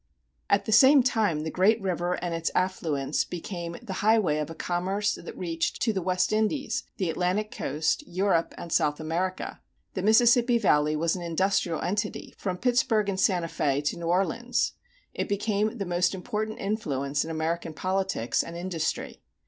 At the same time the great river and its affluents became the highway of a commerce that reached to the West Indies, the Atlantic Coast, Europe, and South America. The Mississippi Valley was an industrial entity, from Pittsburgh and Santa Fé to New Orleans. It became the most important influence in American politics and industry.